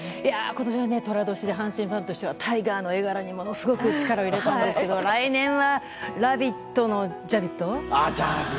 今年は寅年で阪神ファンとしてはタイガーの絵柄にものすごく力を入れたんですが来年は、ラビットのジャビット？